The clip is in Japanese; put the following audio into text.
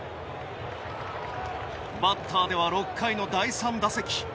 バッターでは６回の第３打席。